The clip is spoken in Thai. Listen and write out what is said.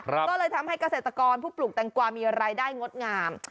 ก็เลยทำให้เกษตรกรผู้ปลูกแตงกวามีรายได้งดงาม